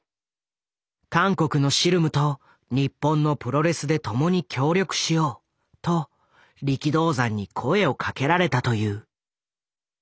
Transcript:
韓国のシルムと日本のプロレスで共に協力しようと力道山に声をかけられたという。